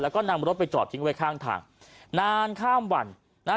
แล้วก็นำรถไปจอดทิ้งไว้ข้างทางนานข้ามวันนะฮะ